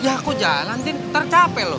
ya kok jalan din tercapek lho